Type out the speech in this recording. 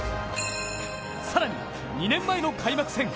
更に２年前の開幕戦。